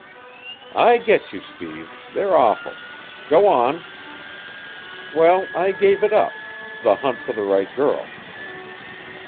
"I get you, Steve they're awful. Go on." "Well, I gave it up the hunt for the right girl."